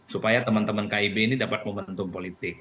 supaya teman teman kib ini dapat momentum politik